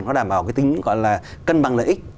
nó đảm bảo cái tính gọi là cân bằng lợi ích